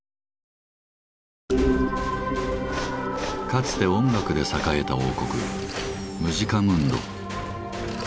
かつて音楽で栄えた王国「ムジカムンド」。